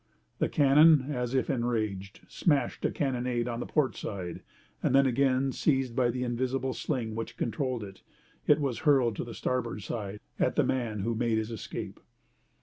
The cannon, as if enraged, smashed a carronade on the port side; then, again seized by the invisible sling which controlled it, it was hurled to the starboard side at the man, who made his escape.